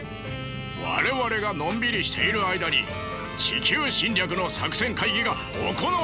我々がのんびりしている間に地球侵略の作戦会議が行われているかもしれんのだ！